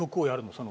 その。